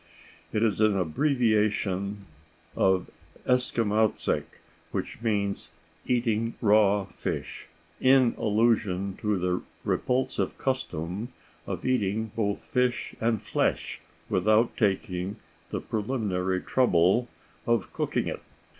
It is an abbreviation of "Eskimautsik," which means "eating raw fish," in allusion to their repulsive custom of eating both fish and flesh without taking the preliminary trouble of cooking it.